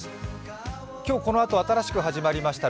今日、このあと新しく始まりました